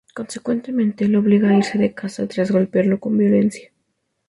Consecuentemente, lo obliga a irse de casa, tras golpearlo con violencia.